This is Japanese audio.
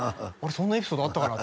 そんなエピソードあったかな？